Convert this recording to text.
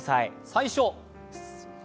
最初？